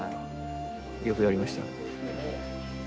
よくやりました。